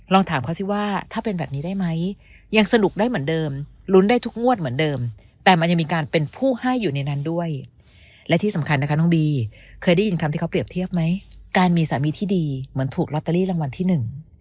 การมีสามีที่ดีเหมือนถูกล็อตเตอรี่รางวัลที่หนึ่ง